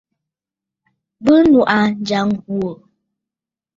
Bɨ nuʼu aa ǹjyâ ŋ̀gwò.